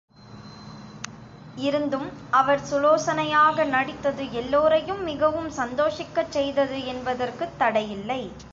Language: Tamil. இருந்தும் அவர் சுலோசனையாக நடித்தது எல்லோரையும் மிகவும் சந்தோஷிக்கச் செய்தது என்பதற்குத் தடையில்லை.